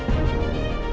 dewi kemana sih